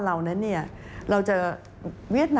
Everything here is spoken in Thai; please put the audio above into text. ประกอบกับต้นทุนหลักที่เพิ่มขึ้น